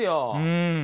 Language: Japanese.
うん！